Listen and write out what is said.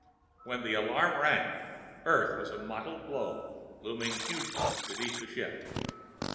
When the alarm rang, Earth was a mottled globe looming hugely beneath the ship.